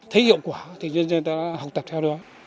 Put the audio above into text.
thấy hiệu quả thì nhân dân ta học tập theo đuổi